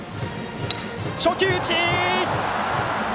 初球打ち！